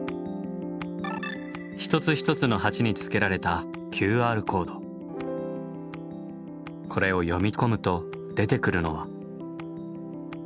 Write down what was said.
一つ一つの鉢につけられたこれを読み込むと出てくるのは。